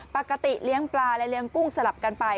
ปกติเลี้ยงปลาและเลี้ยงกุ้งสลับกันไป